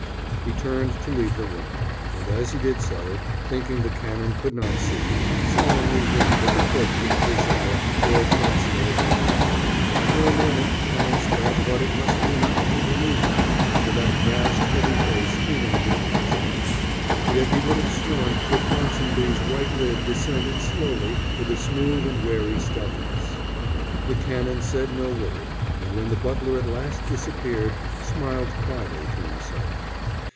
He turned to leave the room, and as he did so, thinking the Canon could not see, solemnly winked at the portrait of Josiah, Lord Chancellor of England. For a moment Canon Spratte thought it must be an optical delusion, for that vast, heavy face remained impassive. Yet he would have sworn that Ponsonby's right lid descended slowly with a smooth and wary stealthiness. The Canon said no word, and when the butler at last disappeared smiled quietly to himself.